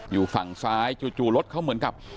อยู่ฝั่งซ้ายจู่รถเขาเหมือนกับ